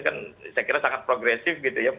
saya kira sangat progresif gitu ya